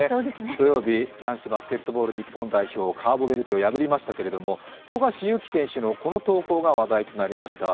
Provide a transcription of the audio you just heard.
土曜日男子バスケットボール日本代表カーボベルデ破りましたけど富樫勇樹選手のこの投稿が話題となりました。